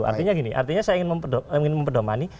artinya gini artinya saya ingin memperdomani